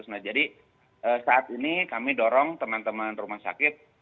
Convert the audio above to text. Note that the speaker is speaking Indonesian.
nah jadi saat ini kami dorong teman teman rumah sakit